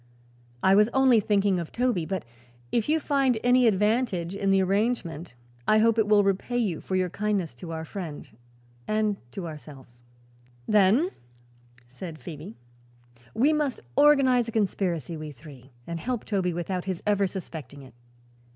"I was only thinking of Toby; but if you find any advantage in the arrangement I hope it will repay you for your kindness to our friend and to ourselves." [Illustration: "Then," said Phoebe, "we must organize a conspiracy, we three, and help Toby without his ever suspecting it."